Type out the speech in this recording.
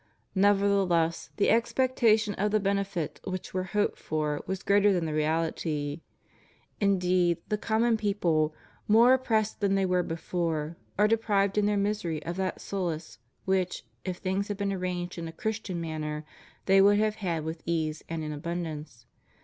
Nevertheless, the expec tation of the benefits which were hoped for was greater than the reahty; indeed, the common people, more op pressed than they were before, are deprived in their misery of that solace which, if things had been arranged in a Christian manner, they would have had with ease and in abundance.